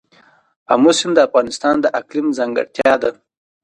آمو سیند د افغانستان د اقلیم ځانګړتیا ده.